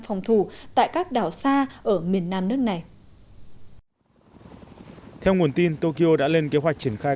phòng thủ tại các đảo xa ở miền nam nước này theo nguồn tin tokyo đã lên kế hoạch triển khai